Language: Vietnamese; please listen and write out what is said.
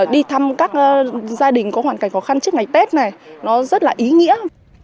đi thăm các gia đình có hoàn cảnh khó khăn trước ngày tết này nó rất là ý nghĩa